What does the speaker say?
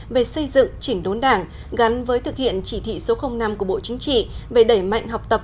về xây dựng chỉnh đốn đảng gắn với thực hiện chỉ thị số năm của bộ chính trị về đẩy mạnh học tập